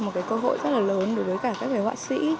một cơ hội rất là lớn đối với các hoạ sĩ